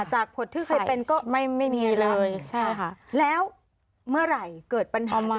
จากผดที่เคยเป็นก็มีแรมแรมใช่ค่ะแล้วเมื่อไหร่เกิดปัญหาหรือเปล่า